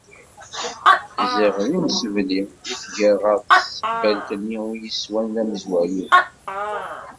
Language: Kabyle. Ziɣ d imsebli i tger ɣer tsebbalt-nni, win yeswan d amezwaru, ad